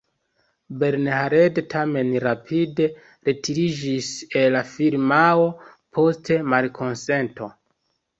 Bernhard tamen rapide retiriĝis el la firmao post malkonsento.